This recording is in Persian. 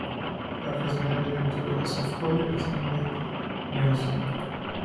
برخی از بناهای قدیمی به طور اسفباری به تعمیر نیاز دارند.